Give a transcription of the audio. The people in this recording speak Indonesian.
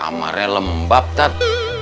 kamarnya lembab tat